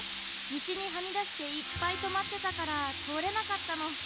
みちにはみだしていっぱいとまってたからとおれなかったの。